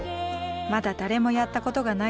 まだ誰もやったことがない